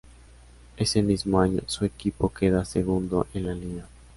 Ese mismo año su equipo queda segundo en la Liga.